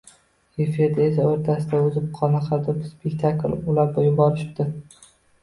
Efirni esa o‘rtasidan uzib, qanaqadur spektakl ulab yuborishibdi.